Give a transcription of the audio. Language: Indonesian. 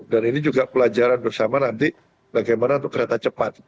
dan ini juga pelajaran bersama nanti bagaimana untuk kereta cepat